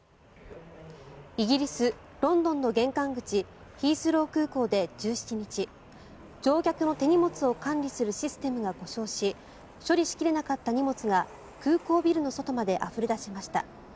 イギリス・ロンドンの玄関口ヒースロー空港で１７日乗客の手荷物を管理するシステムが故障し処理しきれなかった荷物が空港ビルの外にまであふれ出ました。